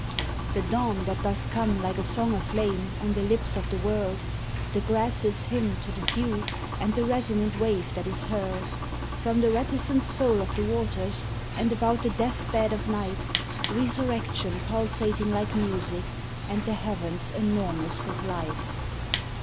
The dawn that doth come like a song aflame on the lips of the world, The grasses' hymn to the dew, and the resonant wave that is hurled From the reticent soul of the waters, and about the death bed of night Resurrection pulsating like music, and the heavens enor mous with light.